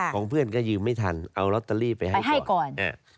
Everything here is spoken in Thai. ของเพื่อนก็ยืมไม่ทันเอาลอตเตอรี่ไปให้ก่อน